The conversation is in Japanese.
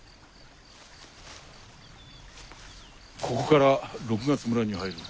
ここから六月村に入る。